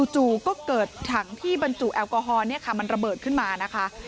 จู่ก็เกิดถังที่บรรจุแอลกอฮอลมันระเบิดขึ้นมานะคะ